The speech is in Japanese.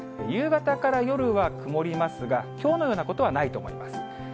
夕方から夜は曇りますが、きょうのようなことはないと思います。